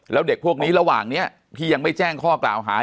แล้วเด็กพวกนี้ระหว่างนี้ที่ยังไม่แจ้งข้อกล่าวหา